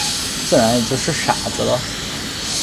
自然也就是傻子了。